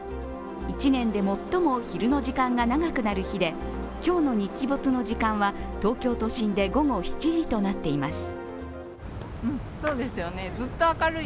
一年で最も昼の時間が長くなる日で今日の日没の時間は東京都心で、午後７時となっています。